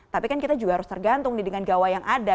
tapi kan kita juga harus tergantung nih dengan gawa yang ada